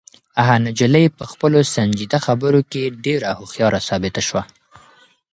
هغه نجلۍ په خپلو سنجیده خبرو کې ډېره هوښیاره ثابته شوه.